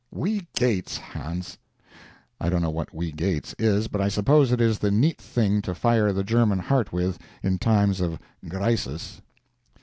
Wee gates, Hans. I don't know what "wee gates" is, but I suppose it is the neat thing to fire the German heart with, in times of "grisus."